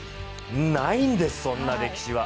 ないんです、そんな歴史は。